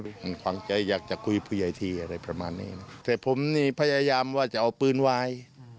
ก็ความคิดอยากจะกลัวใหญ่ทีอะไรแบบนี้แต่ผมเนี่จะเอาปืนไว